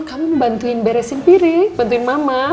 kamu bantuin beresin piring bantuin mama